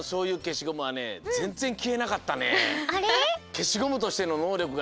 けしゴムとしてののうりょく